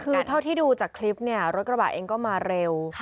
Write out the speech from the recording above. คือเท่าที่ดูจากคลิปเนี่ยรถกระบะเองก็มาเร็ว